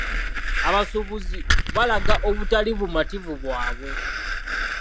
Abasuubuzi baalaga obutali bumativu bwabwe.